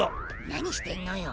なにしてんのよ？